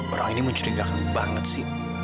perang ini mencurigakan banget sih